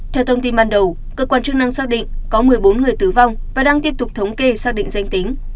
theo thông tin ban đầu cơ quan chức năng xác định có một mươi bốn người tử vong và đang tiếp tục thống kê xác định danh tính